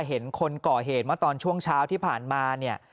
เห็นคนก่อเหตุเมื่อตอนช่วงเช้าที่ผ่านมาเนี่ย